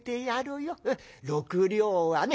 ６両はね